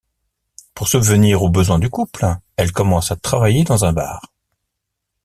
Pour subvenir aux besoins du couple, elle commence à travailler dans un bar...